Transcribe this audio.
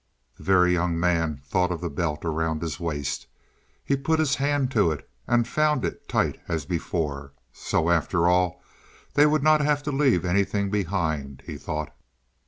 The Very Young Man thought of the belt around his waist. He put his hand to it, and found it tight as before. So, after all, they would not have to leave anything behind, he thought.